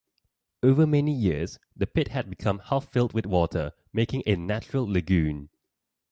Over many years, the pit had become half-filled with water, making a natural lagoon.